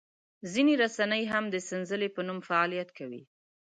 ځینې رسنۍ هم د سنځلې په نوم فعالیت کوي.